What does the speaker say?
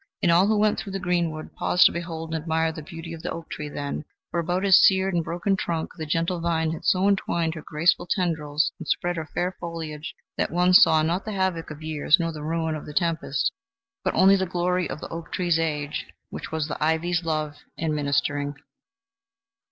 And all who went through the greenwood paused to behold and admire the beauty of the oak tree then; for about his seared and broken trunk the gentle vine had so entwined her graceful tendrils and spread her fair foliage, that one saw not the havoc of the years nor the ruin of the tempest, but only the glory of the oak tree's age, which was the ivy's love and ministering.